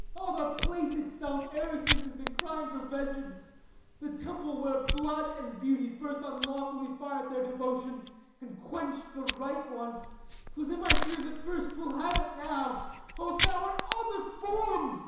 Ah. Oh, the place itself e'er since Has crying been for vengeance, the temple Where blood and beauty first unlawfully Fir'd their devotion, and quench'd the right one ; 75 'Twas in my fears at first, 'twill have it now : Oh, thou art all deform'd